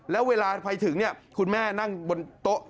แล้วเวลาไปถึงคุณแม่นั่งบนโต๊ะ